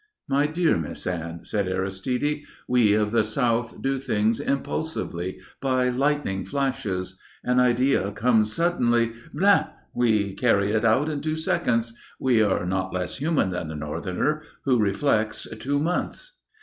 "My dear Miss Anne," said Aristide, "we of the South do things impulsively, by lightning flashes. An idea comes suddenly. Vlan! we carry it out in two seconds. We are not less human than the Northerner, who reflects two months."